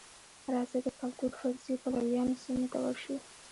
راځئ د کلتور فرضیې پلویانو سیمې ته ورشو.